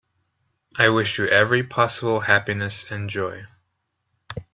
I wish you every possible happiness and joy.